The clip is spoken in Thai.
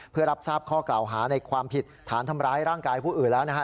เพื่อรับทราบข้อกล่าวหาในความผิดฐานทำร้ายร่างกายผู้อื่นแล้วนะฮะ